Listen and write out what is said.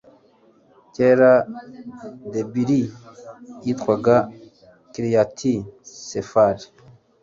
kera debiri yitwaga kiriyati seferi